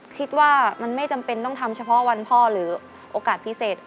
คิดว่ามันไม่จำเป็นต้องทำเฉพาะวันพ่อหรือโอกาสพิเศษ